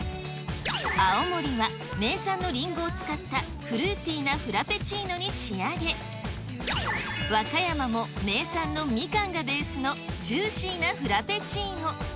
青森は、名産のりんごを使ったフルーティーなフラペチーノに仕上げ、和歌山も名産のみかんがベースのジューシーなフラペチーノ。